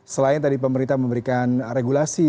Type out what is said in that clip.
selain tadi pemerintah memberikan regulasi